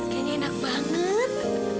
kayaknya enak banget